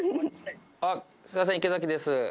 あっすいません池崎です。